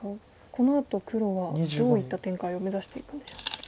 このあと黒はどういった展開を目指していくんでしょうか。